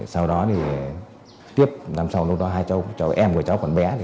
sau đó thì tiếp năm sau lúc đó hai cháu cho em của cháu còn bé